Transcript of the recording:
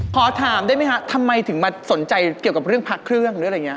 ขอถามได้ไหมคะทำไมถึงมาสนใจเกี่ยวกับเรื่องพระเครื่องหรืออะไรอย่างนี้